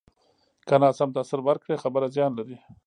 که ناسم تاثر ورکړې، خبره زیان لري